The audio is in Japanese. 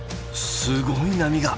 すごい波が！